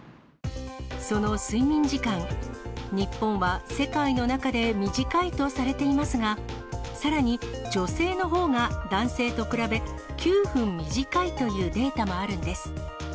その睡眠時間、日本は世界の中で短いとされていますが、さらに女性のほうが、男性と比べ、９分短いというデータもあるんです。